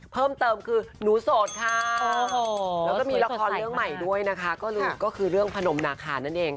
เพิ่มเติมคือหนูโสดค่ะแล้วก็มีละครเรื่องใหม่ด้วยนะคะก็คือเรื่องพนมนาคานั่นเองค่ะ